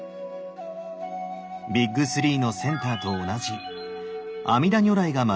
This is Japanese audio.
ビッグ３のセンターと同じ阿弥陀如来がまつられています。